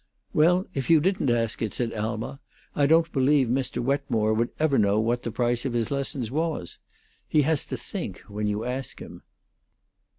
"Well, if you didn't ask it," said Alma, "I don't believe Mr. Wetmore would ever know what the price of his lessons was. He has to think, when you ask him."